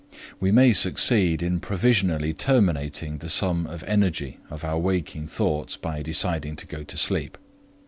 We may succeed in provisionally terminating the sum of energy of our waking thoughts by deciding to go to sleep.